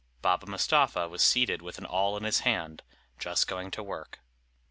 Baba Mustapha was seated with an awl in his hand, just going to work.